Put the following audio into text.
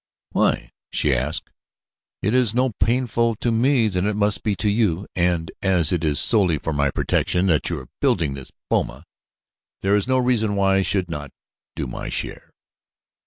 "Why?" she asked. "It is no more painful to me than it must be to you, and, as it is solely for my protection that you are building this boma, there is no reason why I should not do my share."